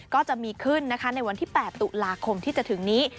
ก็จะมีขึ้นนะคะในวันที่๘ตุลาคมที่จะถึงนี้